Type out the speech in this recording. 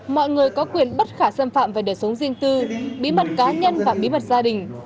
mọi người có quyền bất khả xâm phạm về đời sống riêng tư bí mật cá nhân và bí mật gia đình